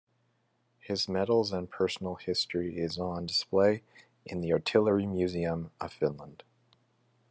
His medals and personal history is on display in The Artillery Museum of Finland.